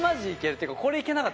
っていうか